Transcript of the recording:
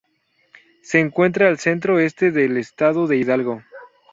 Se encuentra al centro Este del estado de Hidalgo.